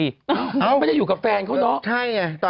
ไม่ได้อยู่กับแฟนเขาเนาะ